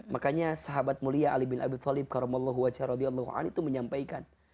makanya sahabat mulia ali bin abi talib karamallahu wajh r a itu menyampaikan